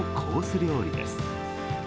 料理です。